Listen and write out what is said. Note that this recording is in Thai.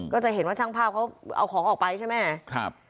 ก็จะเห็นว่าช่างภาพเขาเอาของออกไปใช่ไหมครับ